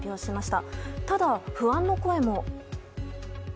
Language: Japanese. ただ、不安の声も。